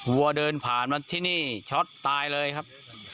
วัวเดินผ่านมาที่นี่ช็อตตายเลยครับ